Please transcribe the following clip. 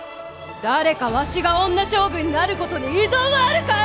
誰かわしが女将軍になることに異存はあるかえ！